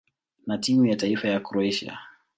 na timu ya taifa ya Kroatia.